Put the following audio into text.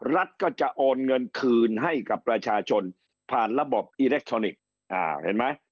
รัฐก็จะโอนเงินคืนให้กับประชาชนผ่านระบบอิเล็กทรอนิกส์เห็นไหม